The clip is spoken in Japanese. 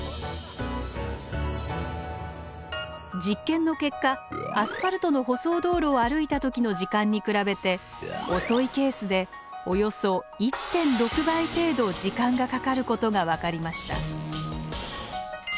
実験の結果アスファルトの舗装道路を歩いた時の時間に比べて遅いケースでおよそ１．６倍程度時間がかかることが分かりました。